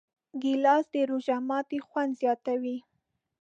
ګیلاس د روژه ماتي خوند زیاتوي.